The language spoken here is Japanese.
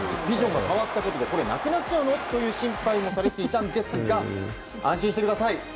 ビジョンが変わったことでなくなっちゃうの？と心配もされていたんですが安心してください。